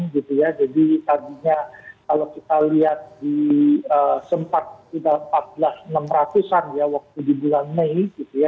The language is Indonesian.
jadi tadinya kalau kita lihat di empat belas enam ratus an ya waktu di bulan mei gitu ya